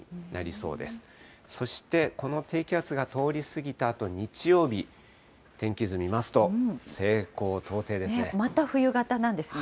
そしてこの低気圧が通り過ぎたあと、日曜日、天気図見ますと、西高東低ですね。